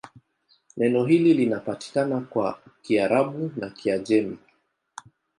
Neno hili linapatikana kwa Kiarabu na Kiajemi.